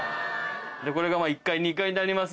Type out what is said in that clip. これが１階２階になります。